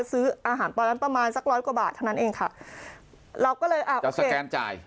ซื้ออาหารตอนนั้นประมาณสักร้อยกว่าบาทเท่านั้นเองค่ะเราก็เลยอาจจะสแกนจ่าย